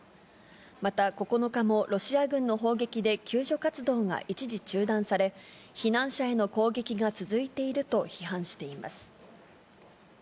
また９日もロシア軍の砲撃で救助活動が一時中断され、避難者への攻撃が続いていると批判しています。